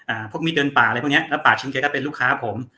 พวกมิดเดินป่าอะไรพวกเนี้ยแล้วป่าชิงแกก็เป็นลูกค้าผม